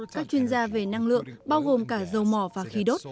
các chuyên gia về năng lượng bao gồm cả dầu mỏ và khí đốt